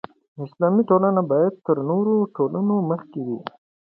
اسلامي ټولنه باید تر نورو ټولنو مخکې وي.